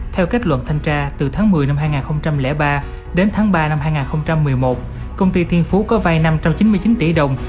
theo kết luận thanh tra từ tháng một mươi năm hai nghìn ba đến tháng ba năm hai nghìn một mươi một công ty thiên phú có vay năm trăm chín mươi chín tỷ đồng